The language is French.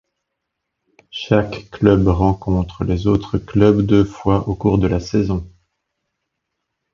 Chaque club rencontre les autres clubs deux fois au cours de la saison.